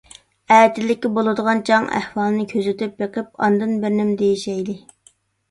ئەتىلىككە بولىدىغان جەڭ ئەھۋالىنى كۆزىتىپ بېقىپ ئاندىن بىرنېمە دېيىشەيلى.